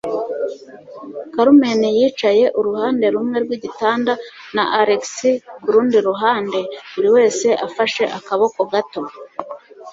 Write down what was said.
Carmen yicaye uruhande rumwe rw'igitanda na Alex kurundi ruhande, buri wese afashe akaboko gato.